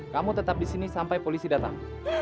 kamu tetap di sini sampai polisi datang